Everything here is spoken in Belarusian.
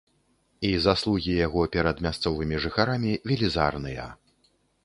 І заслугі яго перад мясцовымі жыхарамі велізарныя.